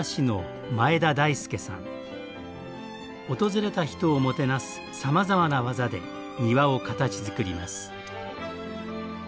訪れた人をもてなすさまざまな技で庭を形づくります。